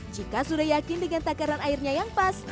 jika sudah yakin dengan takaran airnya yang pas